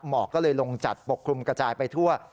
หมอกก็เลยลงจัดปกคลุมกระจายไปทั่ว